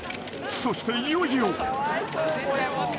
［そしていよいよ］